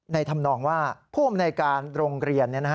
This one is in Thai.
ในธำนองว่าภูมิในการโรงเรียน